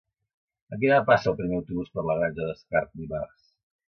A quina hora passa el primer autobús per la Granja d'Escarp dimarts?